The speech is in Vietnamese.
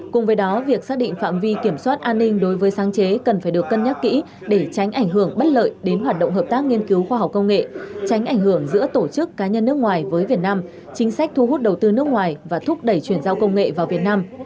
cùng với đó việc xác định phạm vi kiểm soát an ninh đối với sáng chế cần phải được cân nhắc kỹ để tránh ảnh hưởng bất lợi đến hoạt động hợp tác nghiên cứu khoa học công nghệ tránh ảnh hưởng giữa tổ chức cá nhân nước ngoài với việt nam chính sách thu hút đầu tư nước ngoài và thúc đẩy chuyển giao công nghệ vào việt nam